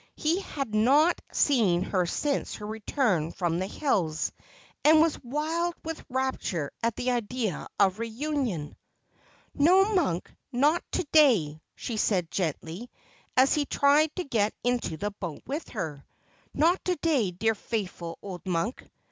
He had not seen her since her return from the hills, and was wild with rapture at the idea of reunion. 'No, Monk, not to day,' she said gently, as he tried to get into the boat with her ;' not to day, dear faithful old Monk.'